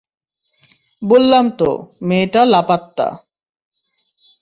বললাম তো, মেয়েটা লাপাত্তা।